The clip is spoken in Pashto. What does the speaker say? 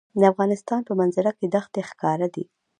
د افغانستان په منظره کې دښتې ښکاره دي.